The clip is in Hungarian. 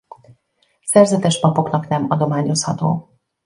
Szerzetes papoknak nem adományozható.